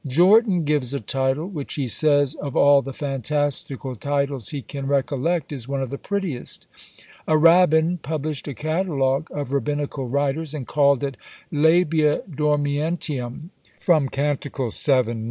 Jortin gives a title, which he says of all the fantastical titles he can recollect is one of the prettiest. A rabbin published a catalogue of rabbinical writers, and called it Labia Dormientium, from Cantic. vii.